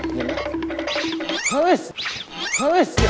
จริงเหรอ